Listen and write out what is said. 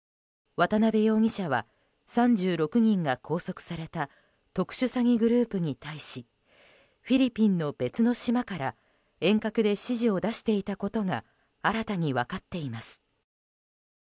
渡邉容疑者は３６人が拘束された特殊詐欺グループに対しフィリピンの別の島から遠隔で指示を出していたことが新たに分かっています。